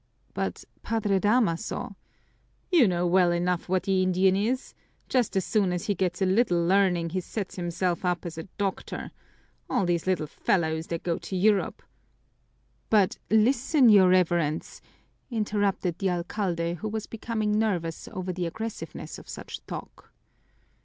"But, Padre Damaso " "You know well enough what the Indian is just as soon as he gets a little learning he sets himself up as a doctor! All these little fellows that go to Europe " "But, listen, your Reverence!" interrupted the alcalde, who was becoming nervous over the aggressiveness of such talk.